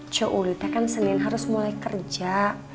cuk uli teh kan senin harus mulai kerja